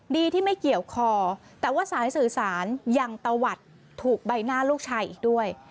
ดีที่ไม่เกี่ยวคอแต่ว่าสายสื่อสารยังตะวัดถูกใบหน้าลูกชายอีกด้วย